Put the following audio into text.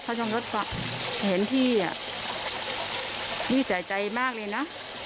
ทรงยศก็เห็นที่นี่ใจใจมากเลยนะ